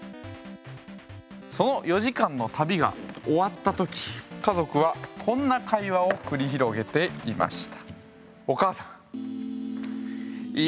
その４時間の旅が終わった時家族はこんな会話を繰り広げていました。